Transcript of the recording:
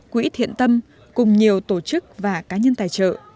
quỹ thiện tâm cùng nhiều tổ chức và cá nhân tài trợ